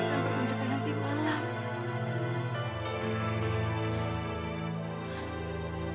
dan bertentukan nanti malam